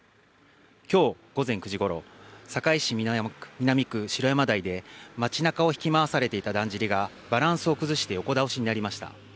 きょう午前９時ごろ、堺市南区城山台で町なかを引き回されていただんじりがバランスを崩して横倒しになりました。